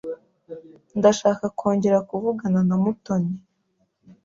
Ndashaka kongera kuvugana na Mutoni.